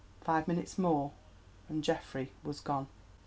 Five minutes more and Geoffrey was gone.